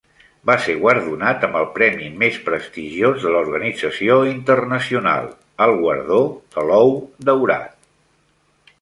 Va ser guardonat amb el premi més prestigiós de la organització internacional, el Guardó de l'Ou Daurat.